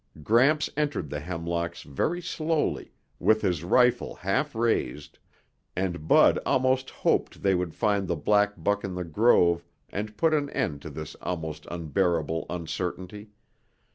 Gramps entered the hemlocks very slowly, with his rifle half raised, and Bud almost hoped they would find the black buck in the grove and put an end to this almost unbearable uncertainty.